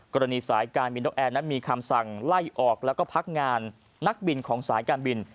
กรณีสายการบินนกแอร์นั้นมีคำสั่งไล่ออกแล้วก็พักงานนักบินของสายการบิน